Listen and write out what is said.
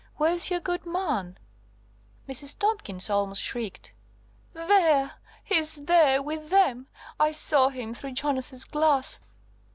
Where's your good man?" Mrs. Tomkins almost shrieked, "There! he's there–with them! I saw him through Jonas's glass."